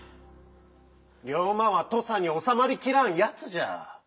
龍馬は土佐におさまりきらんやつじゃ。